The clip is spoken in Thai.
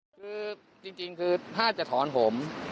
คือจริงคือถ้าจะถอนผม